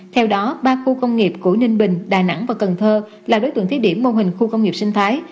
theo đó ba khu công nghiệp của ninh bình đà nẵng và cần thơ là đối tượng thiết điểm mô hình khu công nghiệp sinh thái